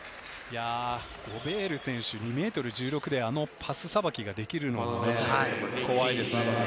ゴベール選手、２ｍ１６であのパスさばきができるのは怖いですね。